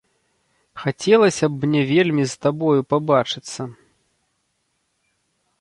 Хацелася б мне вельмі з табою пабачыцца.